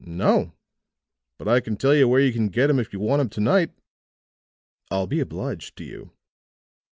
"No. But I can tell you where you can get him if you want him to night." "I'll be obliged to you."